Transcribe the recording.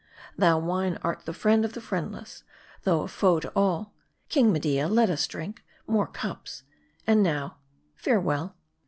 Thou wine art the friend of the friendless, though a foe to all. King Media, let us drink. More cups ! And now, farewell."